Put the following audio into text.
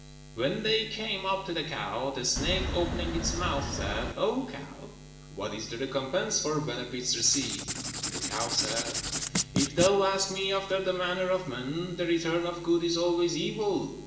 When they came up to the cow, the snake, opening its mouth, said, "O cow, what is the recompense for benefits received?" The cow said, "If thou ask me after the manner of men, the return of good is always evil.